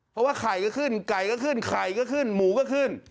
เพราะว่าไข่ก็ขึ้นไก่ก็ขึ้นไข่ก็ขึ้นหมูก็ขึ้น